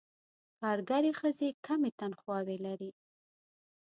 کارګرې ښځې کمې تنخواوې لري.